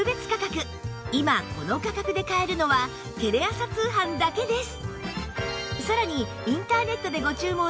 今この価格で買えるのはテレ朝通販だけです